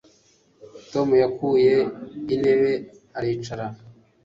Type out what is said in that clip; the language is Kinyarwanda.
Tom yakuye intebe aricara